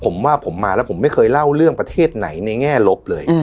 ผมว่าผมมาแล้วผมไม่เคยเล่าเรื่องประเทศไหนในแง่ลบเลย